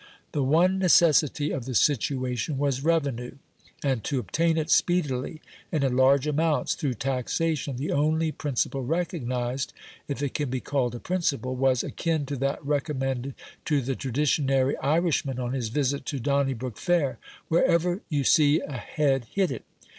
The one necessity of the situation was revenue, and to obtain it speedily and in large amounts through taxation the only principle recognised if it can be called a principle was akin to that recommended to the traditionary Irishman on his visit to Donnybrook Fair, 'Wherever you see a head hit it'.